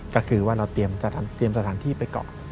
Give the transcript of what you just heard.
ก็คือว่าเราเตรียมสถานที่ไปเกาะ